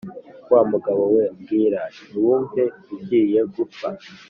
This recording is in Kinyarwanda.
wa mugabo we mbwira ntiwumve, ugiye gupfa.